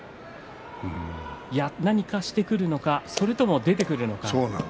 何かしてくるのかそれとも出てくるのか。